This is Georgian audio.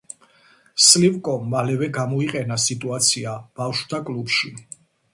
სლივკომ მალევე გამოიყენა სიტუაცია ბავშვთა კლუბში.